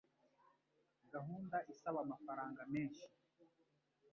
Gahunda isaba amafaranga menshi.